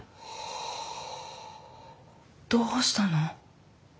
どうしたの？